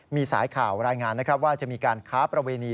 มีสายข่าวรายงานนะครับว่าจะมีการค้าประเวณี